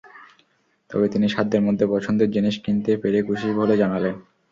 তবে তিনি সাধ্যের মধ্যে পছন্দের জিনিস কিনতে পেরে খুশি বলে জানালেন।